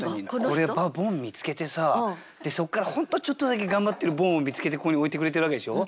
これボン見つけてさそこから本当にちょっとだけ頑張ってるボンを見つけてここに置いてくれてるわけでしょう？